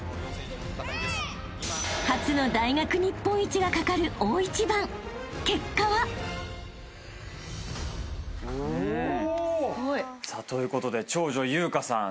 ［初の大学日本一がかかる大一番結果は！？］ということで長女由夏さん